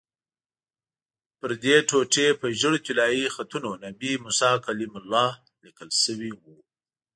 پردې ټوټې په ژېړو طلایي خطونو 'نبي موسی کلیم الله' لیکل شوي وو.